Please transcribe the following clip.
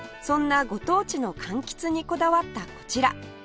そんなご当地の柑橘にこだわったこちら